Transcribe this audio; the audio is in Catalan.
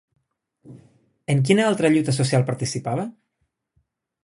En quina altra lluita social participava?